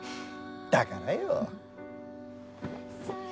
だからよ。